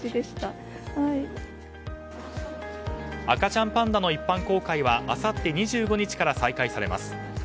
赤ちゃんパンダの一般公開はあさって２５日から再開されます。